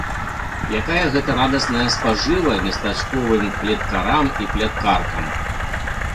Якая гэта радасная спажыва местачковым плеткарам і пляткаркам!